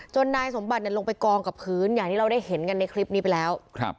นายสมบัติลงไปกองกับพื้นอย่างที่เราได้เห็นกันในคลิปนี้ไปแล้ว